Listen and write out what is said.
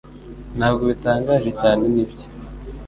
Ntabwo bitangaje cyane nibyo